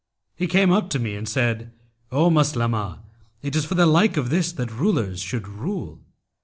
He came up to me and said: 'O Maslamah, it is for the like of this that rulers should rule.'